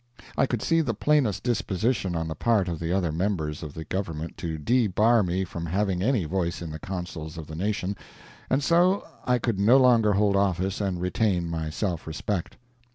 I could see the plainest disposition on the part of the other members of the government to debar me from having any voice in the counsels of the nation, and so I could no longer hold office and retain my self respect.